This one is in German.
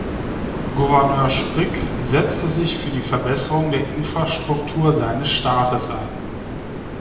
Gouverneur Sprigg setzte sich für die Verbesserung der Infrastruktur seines Staates ein.